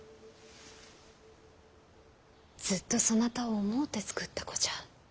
ずっとそなたを思うて作った子じゃ。